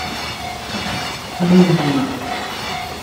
nous, nous lûmes.